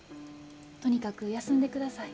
とにかく休んでください。